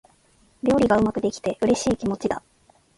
料理がうまくできて、嬉しい気持ちだ。